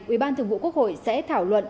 ủy ban thường vụ quốc hội sẽ thảo luận